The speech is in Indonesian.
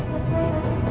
apaan sih ini